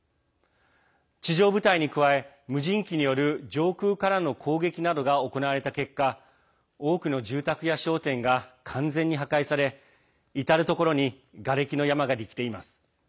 地上部隊に加え、無人機による上空からの攻撃などが行われた結果多くの住宅や商店が完全に破壊され、至る所にがれきの山ができています。